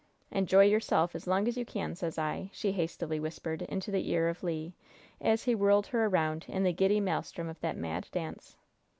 "Enjoy yourself as long as you can, sez I!" she hastily whispered into the ear of Le, as he whirled her around in the giddy maelstrom of that mad dance.